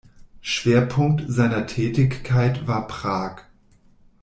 Schwerpunkt seiner Tätigkeit war Prag.